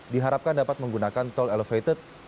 diharapkan dapat menggunakan tol elevated